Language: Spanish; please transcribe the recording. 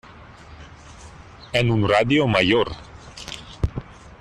en un radio mayor.